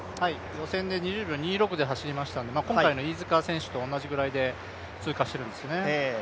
予選で２０秒２６で走りまして、今回の飯塚選手と同じぐらいで通過しているんですね。